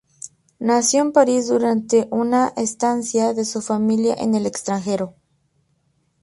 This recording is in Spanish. Nació en París durante una estancia de su familia en el extranjero.